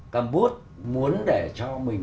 cầm bút muốn để cho mình